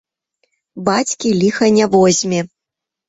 Бацькі ліха не возьме.